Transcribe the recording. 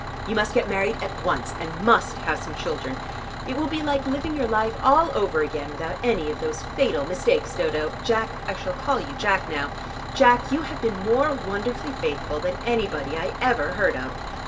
You must get married at once, and must have some children. It will be like living your life all over again without any of those fatal mistakes, Dodo. Jack I shall call you Jack now Jack, you have been more wonderfully faithful than anybody I ever heard of.